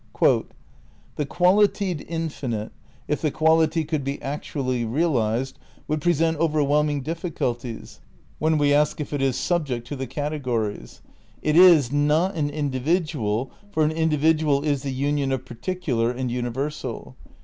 "The qualitied infinite, if the quality could be actually realised, would present overwhelming difficulties, when we ask if it is subject to the categories. ... It is ... not an individual, for an individual is the union of particular and universal.